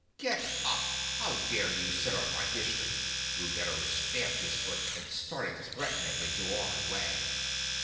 "Get up! How dare you sit on my history?" Ruggedo stamped his foot and started threateningly toward Wag.